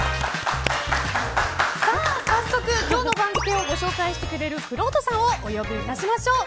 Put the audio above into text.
早速今日の番付をご紹介してくれるくろうとさんをお呼びいたしましょう。